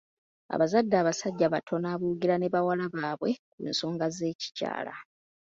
Abazadde abasajja batono aboogera ne bawala baabwe ku nsonga z'ekikyala.